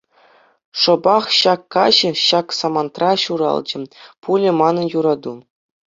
Шӑпах ҫак каҫ, ҫак самантра ҫуралчӗ пулӗ манӑн юрату.